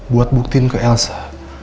buat buktiin ke elsa